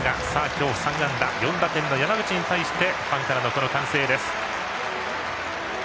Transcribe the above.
今日３打数３安打４打点の山口にファンからの歓声です。